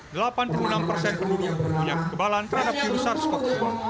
delapan puluh enam persen penduduk punya kekebalan terhadap virus sars cov dua